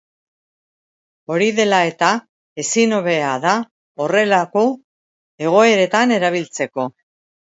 Hori dela eta, ezin hobea da horrelako egoeretan erabiltzeko.